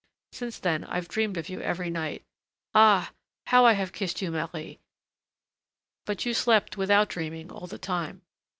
Since then, I've dreamed of you every night. Ah! how I have kissed you, Marie! But you slept without dreaming all the time.